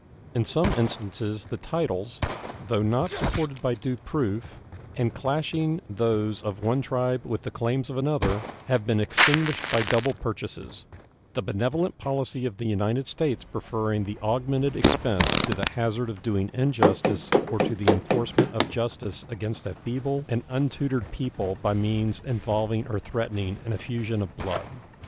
In some instances the titles, though not supported by due proof, and clashing those of one tribe with the claims of another, have been extinguished by double purchases, the benevolent policy of the United States preferring the augmented expense to the hazard of doing injustice or to the enforcement of justice against a feeble and untutored people by means involving or threatening an effusion of blood.